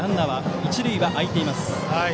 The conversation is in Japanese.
一塁は空いています。